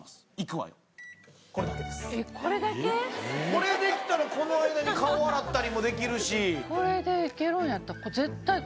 これできたらこの間に顔洗ったりもできるし。